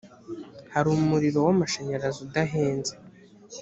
hari umuriro w amashanyarazi udahenze